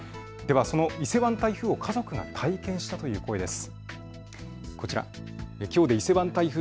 伊勢湾台風を家族が体験したという声です。